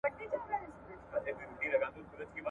څمڅۍ بې لاستي نه وي.